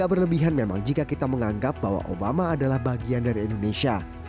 tidak berlebihan memang jika kita menganggap bahwa obama adalah bagian dari indonesia